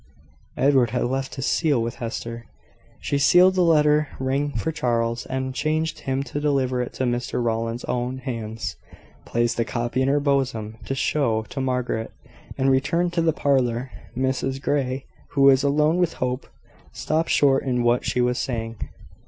Edward had left his seal with Hester. She sealed the letter, rang for Charles, and charged him to deliver it into Mr Rowland's own hands, placed the copy in her bosom to show to Margaret, and returned to the parlour. Mrs Grey, who was alone with Hope, stopped short in what she was saying.